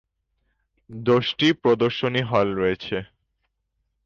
দশটি প্রদর্শনী হল রয়েছে।